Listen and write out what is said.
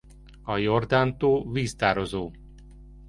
A Jordan-tó víztározó.